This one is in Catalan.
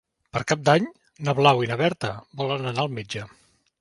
Per Cap d'Any na Blau i na Berta volen anar al metge.